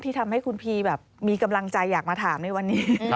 ทำให้คุณพีแบบมีกำลังใจอยากมาถามในวันนี้